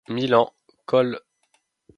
Milan, coll.